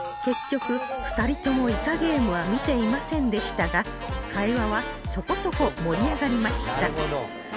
結局２人とも『イカゲーム』は見ていませんでしたが会話はそこそこ盛り上がりました